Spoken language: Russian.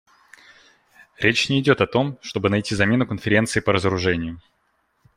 Речь не идет о том, чтобы найти замену Конференции по разоружению.